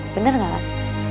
bener gak lat